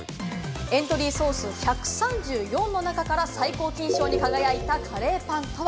エントリー総数１３４の中から最高金賞に輝いたカレーパンとは？